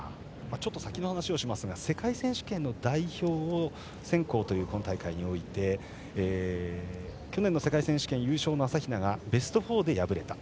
ちょっと先の話をしますが世界選手権の代表選考で今大会において去年の世界選手権優勝の朝比奈がベスト４で敗れた。